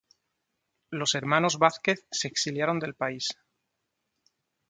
Los hermanos Vázquez se exiliaron del país.